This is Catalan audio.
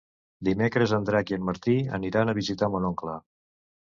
Dimecres en Drac i en Martí aniran a visitar mon oncle.